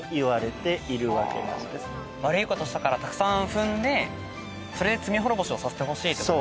悪いことしたからたくさん踏んでそれで罪滅ぼしをさせてほしいってことですね。